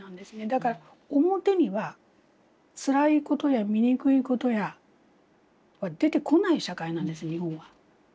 だから表にはつらいことや醜いことは出てこない社会なんです日本は。